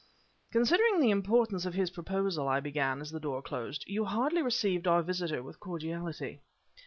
"Considering the importance of his proposal," I began, as the door closed, "you hardly received our visitor with cordiality."